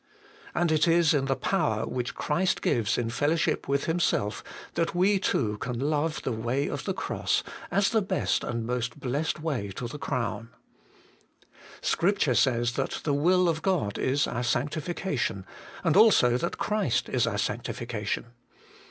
And it is in the 258 HOLY IN CHRIST. power which Christ gives in fellowship with Him self that we too can love the way of the Cross, as the best and most blessed way to the Crown. Scripture says that the will of God is our sancti fication, and also that Christ is our Sanctification.